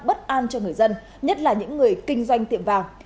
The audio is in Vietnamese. bất an cho người dân nhất là những người kinh doanh tiệm vàng